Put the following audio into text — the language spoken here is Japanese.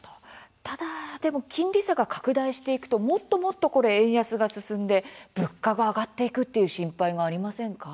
ただ、でも金利差が拡大していくともっともっと円安が進んで物価が上がっていくという心配はありませんか？